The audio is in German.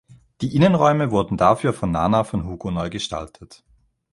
Die Innenräume wurden dafür von Nana von Hugo neugestaltet.